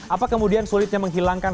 apa kemudian sulitnya menghilangkan